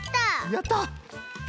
やった！